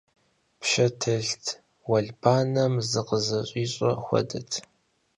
Пшэ телът, уэлбанэм зыкъызэщӀищӀэ хуэдэт.